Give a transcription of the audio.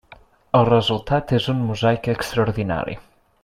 El resultat és un mosaic extraordinari.